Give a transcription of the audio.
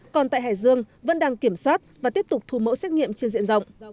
còn tại hải dương vẫn đang kiểm soát và tiếp tục thu mẫu xét nghiệm trên diện rộng